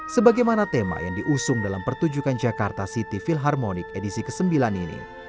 sebagaimana tema yang diusung dalam pertunjukan jakarta city philharmonic edisi ke sembilan ini